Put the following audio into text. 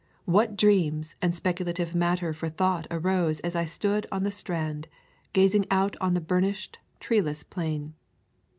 What dreams and speculative matter for thought arose as I stood on the strand, gazing out on the burnished, treeless plain!